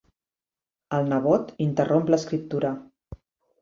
El nebot interromp l'escriptura.